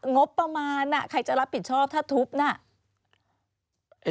งบประมาณใครจะรับผิดชอบถ้าทุบน่ะ